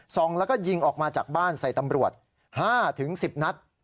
งแล้วก็ยิงออกมาจากบ้านใส่ตำรวจ๕๑๐นัด